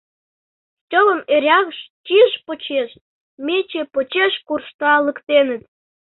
Стёпам эреак чиж почеш, мече почеш куржталыктеныт.